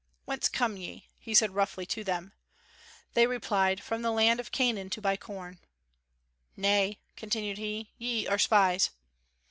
"Whence come ye?" he said roughly to them. They replied, "From the land of Canaan to buy corn," "Nay," continued he, "ye are spies."